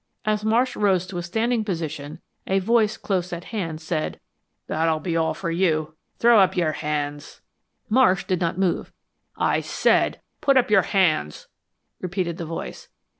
As Marsh rose to a standing position a voice close at hand, said, "That'll be all for you. Throw up your hands!" Marsh did not move. "I said, put up your hands," repeated the voice.